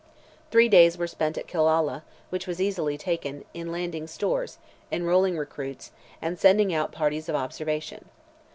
Three days were spent at Killalla, which was easily taken, in landing stores, enrolling recruits, and sending out parties of observation.